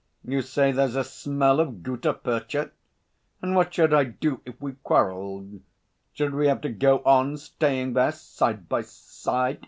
You say there's a smell of gutta percha? And what should I do if we quarrelled should we have to go on staying there side by side?